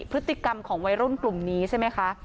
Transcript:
พฤติกรรมของวัยรุ่นกลุ่มนี้ใช่ไหมคะ